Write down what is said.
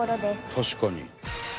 「確かに」